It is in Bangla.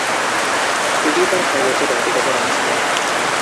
এটিই তার সর্বোচ্চ ব্যক্তিগত রান ছিল।